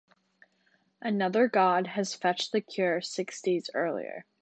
Another god had fetched the cure six days earlier.